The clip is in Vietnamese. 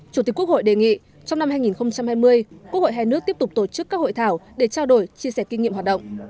chủ tịch quốc hội đề nghị trong năm hai nghìn hai mươi quốc hội hai nước tiếp tục tổ chức các hội thảo để trao đổi chia sẻ kinh nghiệm hoạt động